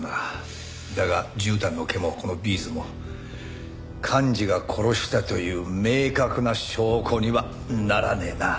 だが絨毯の毛もこのビーズも寛二が殺したという明確な証拠にはならねえな。